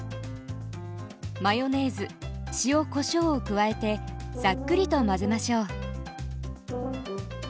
マヨネーズ塩・こしょうを加えてさっくりと混ぜましょう。